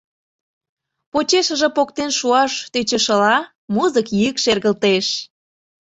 Почешыже поктен шуаш тӧчышыла, музык йӱк шергылтеш.